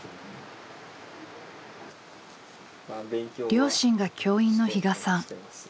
両親が教員の比嘉さん。